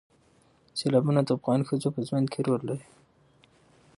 سیلابونه د افغان ښځو په ژوند کې رول لري.